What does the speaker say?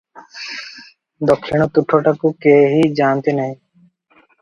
ଦକ୍ଷିଣ ତୁଠଟାକୁ କେହି ଯାଆନ୍ତି ନାହିଁ ।